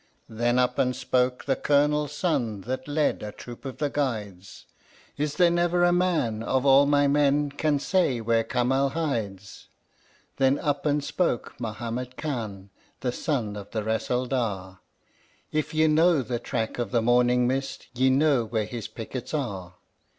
Then up and spoke the Colonel's son that led a troop of the Guides: "Is there never a man of all my men can say where Kamal hides?" Then up and spoke Mahommed Khan, the son of the Ressaldar: "If ye know the track of the morning mist, ye know where his pickets are.